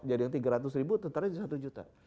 jadi yang tiga ratus ribu tentara jadi satu juta